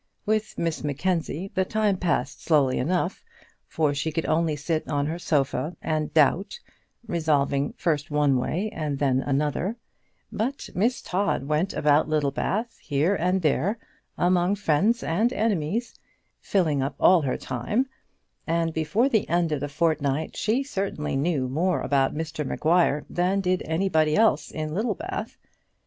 With Miss Mackenzie the time passed slowly enough, for she could only sit on her sofa and doubt, resolving first one way and then another; but Miss Todd went about Littlebath, here and there, among friends and enemies, filling up all her time; and before the end of the fortnight she certainly knew more about Mr Maguire than did anybody else in Littlebath.